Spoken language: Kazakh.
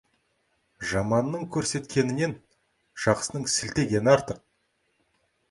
Жаманның көрсеткенінен, жақсының сілтегені артық.